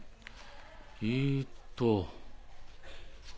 えっと。